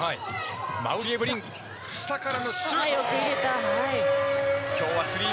馬瓜エブリン下からシュート。